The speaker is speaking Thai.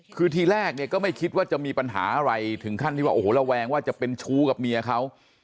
คือทีแรกเนี่ยก็ไม่คิดว่าจะมีปัญหาอะไรถึงขั้นที่ว่าโอ้โหระแวงว่าจะเป็นชู้กับเมียเขา